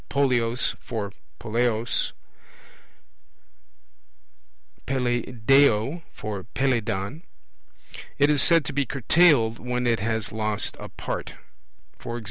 polleos for poleos, Peleiadeo for Peleidon. It is said to be curtailed, when it has lost a part; e.g.